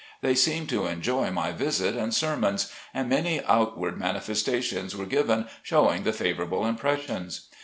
They seemed to enjoy my visit and sermons, and many outward manifestations were given showing the favorable impressions.